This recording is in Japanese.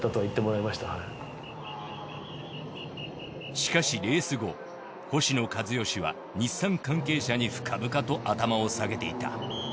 しかしレース後星野一義は日産関係者に深々と頭を下げていた。